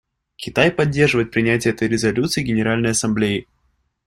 Китай поддерживает принятие этой резолюции Генеральной Ассамблеей.